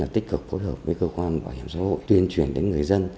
tích cực phối hợp với cơ quan bảo hiểm xã hội tuyên truyền đến người dân